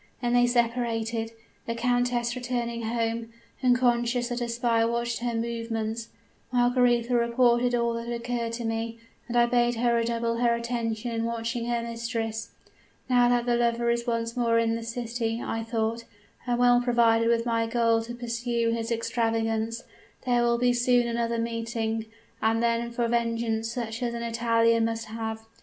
Then they separated the countess returning home, unconscious that a spy watched her movements. Margaretha reported all that had occurred to me; and I bade her redouble her attention in watching her mistress. Now that the lover is once more in this city, I thought, and well provided with my gold to pursue his extravagance, there will soon be another meeting and then for vengeance such as an Italian must have.